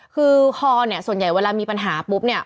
คือคอเนี่ยส่วนใหญ่เวลามีปัญหาปุ๊บเนี่ย